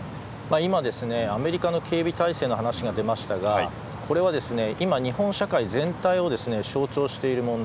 今、アメリカの警備態勢の話が出ましたがこれは今日本社会全体を象徴している問題